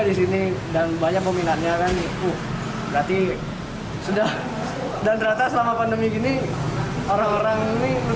di sini dan banyak peminatnya kan berarti sudah dan rata selama pandemi gini orang orang ini